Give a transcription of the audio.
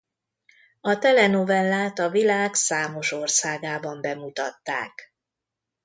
A telenovellát a világ számos országában bemutatták.